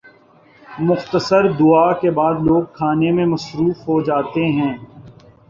مختصر دعا کے بعد لوگ کھانے میں مصروف ہو جاتے ہیں۔